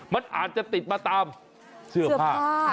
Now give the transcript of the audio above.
มันอาจจะติดมาตามเสื้อผ้า